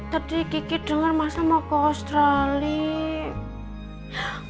tadi kiki denger masa mau ke australia